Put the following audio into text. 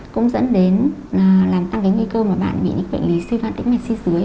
cũng dẫn đến làm tăng cái nguy cơ mà bạn bị bệnh lý suy giãn tĩnh mạch chi dưới